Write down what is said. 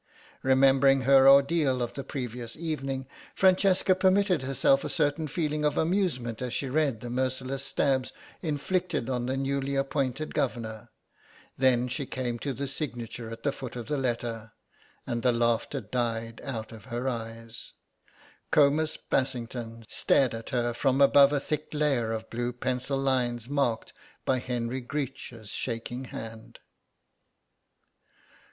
Remembering her ordeal of the previous evening Francesca permitted herself a certain feeling of amusement as she read the merciless stabs inflicted on the newly appointed Governor; then she came to the signature at the foot of the letter, and the laughter died out of her eyes. "Comus Bassington" stared at her from above a thick layer of blue pencil lines marked by Henry Greech's shaking hand.